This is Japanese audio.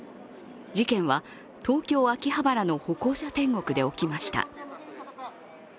事件は、東京・秋葉原の歩行者天国で起きました。